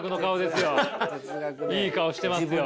いい顔してますよ。